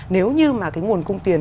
nếu như mà cái nguồn cung tiền